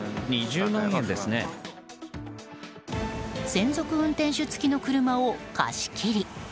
専属運転手付きの車を貸し切り。